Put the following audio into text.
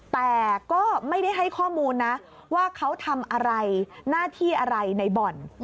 แต่ก็ไม่ได้ให้ข้อมูลนะว่าเขาทำอะไรหน้าที่อะไรในบ่อน